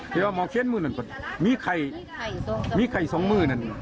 แต่ว่าหมอเค้นมึงมีไข่สองมึงนั้น